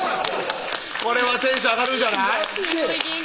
これはテンション上がるんじゃない？